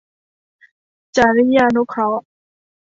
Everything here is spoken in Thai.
จริยานุเคราะห์